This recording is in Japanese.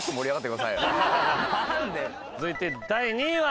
続いて第２位は。